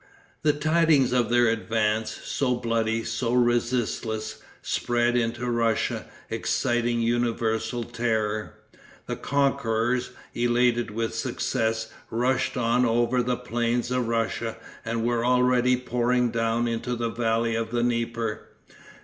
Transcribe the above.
The tidings of their advance, so bloody, so resistless, spread into Russia, exciting universal terror. The conquerors, elated with success, rushed on over the plains of Russia, and were already pouring down into the valley of the Dnieper.